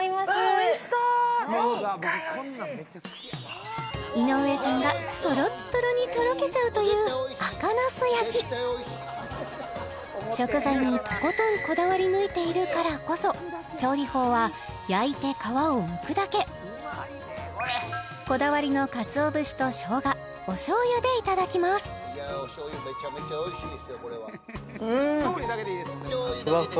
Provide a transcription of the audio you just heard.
おいしそう絶対おいしい井上さんがとろっとろにとろけちゃうという赤なす焼き食材にとことんこだわり抜いているからこそ調理法は焼いて皮をむくだけこだわりの鰹節としょうがおしょう油でいただきますうん！